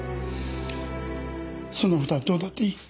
そんなことはどうだっていい。